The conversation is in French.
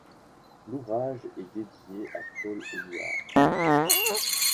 L'ouvrage est dédié à Paul Éluard.